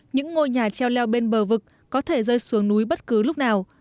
những ngôi nhà treo leo bên bờ vực có thể rơi xuống núi bất cứ lúc nào